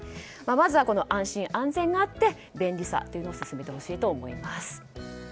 まずは安心・安全があって便利さというのを進めてほしいと思います。